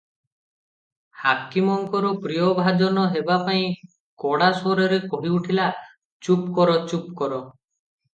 ହାକିମଙ୍କର ପ୍ରିୟଭାଜନ ହେବାପାଇଁ କଡ଼ା ସ୍ୱରରେ କହି ଉଠିଲା, "ଚୁପ୍ କର ଚୁପ୍ କର ।"